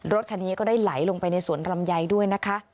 รถคันนี้ก็ได้ไหลลงไปในสวนลำไยด้วยนะคะ